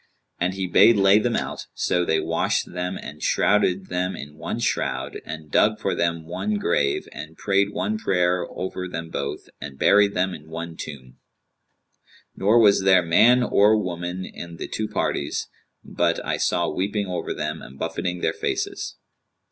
And he bade lay them out: so they washed them and shrouded them in one shroud and dug for them one grave and prayed one prayer over them both and buried them in one tomb; nor was there man or woman in the two parties but I saw weeping over them and buffeting their faces.